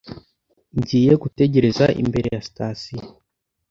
ngiye gutegereza imbere ya sitasiyo.